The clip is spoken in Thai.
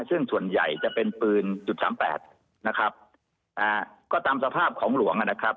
ซึ่งส่วนใหญ่จะเป็นปืน๓๘นะครับก็ตามสภาพของหลวงนะครับ